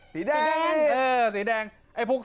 สีแดงเออสีแดงไอฝุ่งสีเหลือง